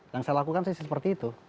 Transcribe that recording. yang saya lakukan sih seperti itu